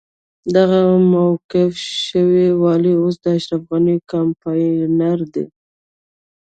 دغه موقوف شوی والي اوس د اشرف غني کمپاينر دی.